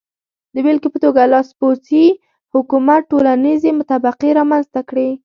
د بېلګې په توګه لاسپوڅي حکومت ټولنیزې طبقې رامنځته کړې.